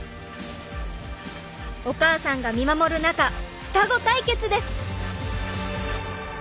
お母さんが見守る中双子対決です！